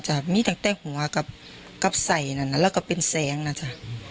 จะมีตั้งแต่หัวกับใส่นั่นแล้วก็เป็นแสงนะจ๊ะ